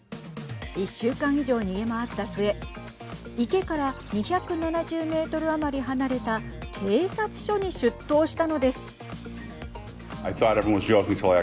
１週間以上逃げ回った末池から２７０メートル余り離れた警察署に出頭したのです。